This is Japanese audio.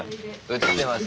映ってますよ。